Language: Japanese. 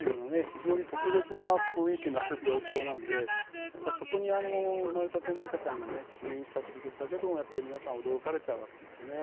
非常に特別な雰囲気のある病棟なんでそこに生まれたての赤ちゃんがね入院したということだけでもやっぱり皆さん驚かれちゃうわけですよね。